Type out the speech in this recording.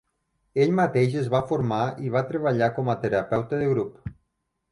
Ell mateix es va formar i va treballar com a terapeuta de grup.